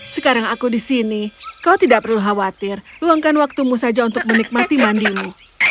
sekarang aku di sini kau tidak perlu khawatir luangkan waktumu saja untuk menikmati mandimu